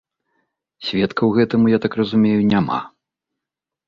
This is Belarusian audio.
Сведкаў гэтаму, я так разумею, няма.